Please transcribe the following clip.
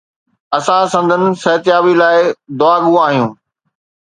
اسان سندن صحتيابي لاءِ دعاگو آهيون.